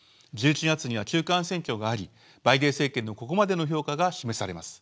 １１月には中間選挙がありバイデン政権のここまでの評価が示されます。